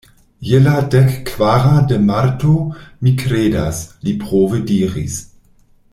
"Je la dekkvara de Marto, mi kredas," li prove diris.